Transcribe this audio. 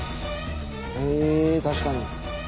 へえ確かに。